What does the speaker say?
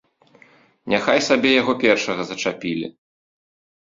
Няхай сабе яго першага зачапілі.